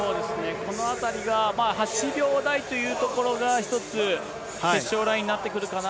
このあたりが８秒台というところが１つ、決勝ラインになってくるかな。